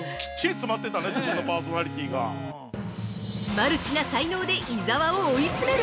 ◆マルチな才能で伊沢を追い詰める！？